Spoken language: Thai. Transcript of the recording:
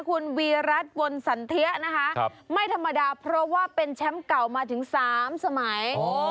คุณวีรัฐบนสันเทียนะคะไม่ธรรมดาเพราะว่าเป็นแชมป์เก่ามาถึง๓สมัย